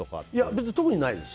僕特にないです。